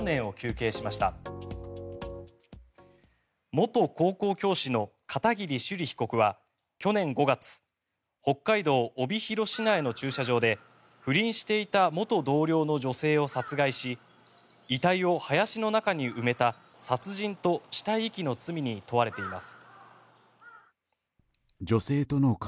元高校教師の片桐朱璃被告は去年５月北海道帯広市内の駐車場で不倫していた元同僚の女性を殺害し遺体を林の中に埋めた殺人と死体遺棄の罪に問われています。